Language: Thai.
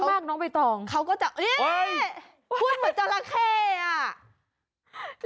แต่มันดีไงเขาก็จะเอ๊ะคุณเหมือนจราเข้อ่ะ